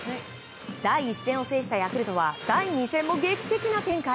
第１戦を制したヤクルトは第２戦も劇的な展開。